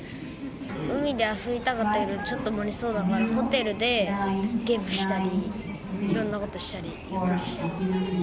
海で遊びたかったけど、ちょっと無理そうだから、ホテルでゲームしたり、いろんなことしたり、ゆっくりしたいです。